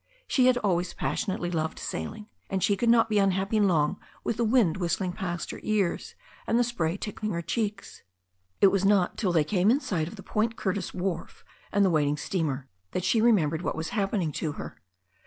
She had always passionately loved sail ing, and she could not be unhappy long with the wind whistling past her ears and the spray tickling her cheeks. It was not till they came in sight of the Point Curtis wharf and the waiting steamer that she remembered what was hap pening to her.